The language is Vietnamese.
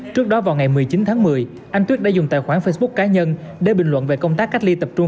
trước đó vào ngày một mươi chín tháng một mươi anh tuyết đã dùng tài khoản facebook cá nhân để bình luận về công tác cách ly tập trung